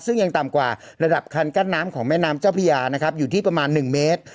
ซึ่งยังต่ำกว่าระดับคันกั้นน้ำของแม่น้ำเจ้าพญานะครับอยู่ที่ประมาณ๑เมตร